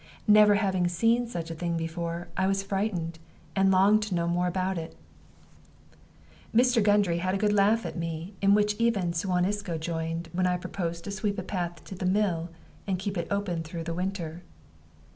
Never having seen such a thing before, I was frightened, and longed to know more of it. Mr. Gundry had a good laugh at me, in which even Suan Isco joined, when I proposed to sweep a path to the mill, and keep it open through the winter.